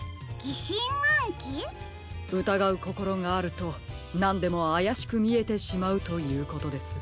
うたがうこころがあるとなんでもあやしくみえてしまうということです。